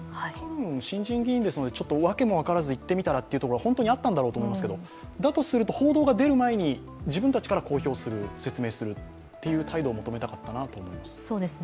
新人議員ですので、訳も分からず行ってみたらというのは本当にあったんだろうと思いますけど、だとすると報道が出る前に自分たちから公表する、説明するという態度を求めたかったなと思います。